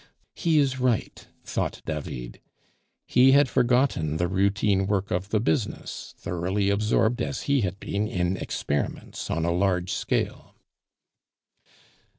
"He is right," thought David. He had forgotten the routine work of the business, thoroughly absorbed as he had been in experiments on a large scale.